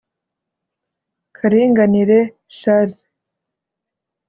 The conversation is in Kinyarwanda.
Karinganire Charles